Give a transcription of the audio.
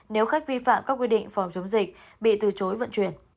nếu khách vi phạm các quy định phòng chống dịch bị từ chối vận chuyển